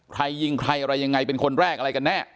ใครยิงใครอะไรยังไงเป็นคนแรกอะไรกันแน่